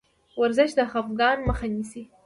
ورزش د خفګان مخه نیسي.